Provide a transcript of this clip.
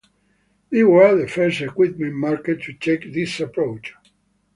They were the first equipment maker to take this approach.